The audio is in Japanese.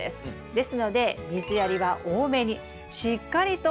ですので水やりは多めにしっかりと毎日与えて下さい。